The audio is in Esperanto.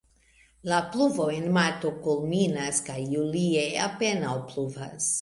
La pluvo en marto kulminas kaj julie apenaŭ pluvas.